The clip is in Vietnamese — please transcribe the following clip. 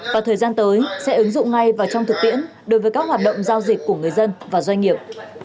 và thời gian tới sẽ ứng dụng ngay và trong thực tiễn đối với các hoạt động giao dịch của người dân và doanh nghiệp